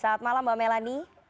selamat malam mbak melani